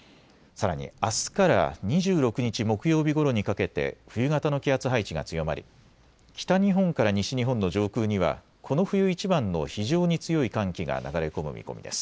さらにあすから２６日木曜日ごろにかけて冬型の気圧配置が強まり北日本から西日本の上空にはこの冬いちばんの非常に強い寒気が流れ込む見込みです。